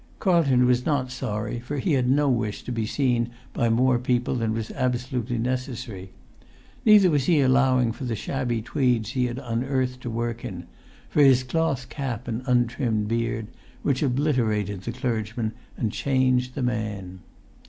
Carlton was not sorry, for he had no wish to be seen by more people than was absolutely necessary; neither was he allowing for the shabby tweeds he had unearthed to work in, for his cloth cap and untrimmed beard, which obliterated the clergyman and changed the man.